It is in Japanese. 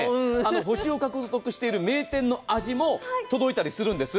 あの星を獲得している名店の味も届いたりするんです。